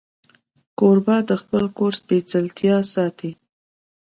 کوربه د خپل کور سپېڅلتیا ساتي.